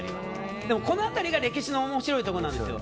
この辺りが歴史の面白いところなんですよ。